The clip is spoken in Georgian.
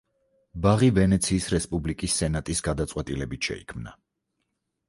ბაღი ვენეციის რესპუბლიკის სენატის გადაწყვეტილებით შეიქმნა.